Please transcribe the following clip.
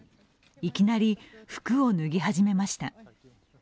いきなり服を脱ぎ始めました。